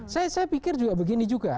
saya pikir juga begini juga